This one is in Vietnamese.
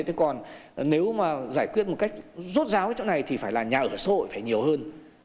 thế còn nếu mà giải quyết một cách rốt ráo cái chỗ này thì phải là nhà ở xã hội phải nhiều hơn